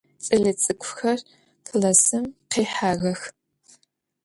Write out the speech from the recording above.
Кӏэлэцӏыкӏухэр классым къихьагъэх.